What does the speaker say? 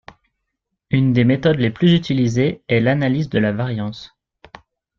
Une des méthodes les plus utilisées est l'analyse de la variance.